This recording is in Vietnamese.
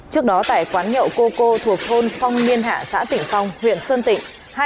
trước đó tại quán nhậu cô cô thuộc thôn phong niên hạ xã tỉnh phong huyện sơn tỉnh